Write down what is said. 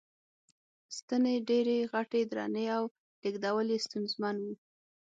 ستنې ډېرې غټې، درنې او لېږدول یې ستونزمن و.